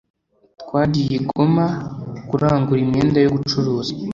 twagiye igoma kurangura imyenda yo gucuruza